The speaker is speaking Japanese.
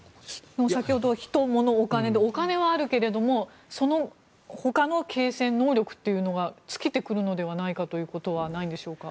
先ほど人、物、お金でお金はあるけれどもそのほかの継戦能力が尽きてくるのではないかということはないんでしょうか。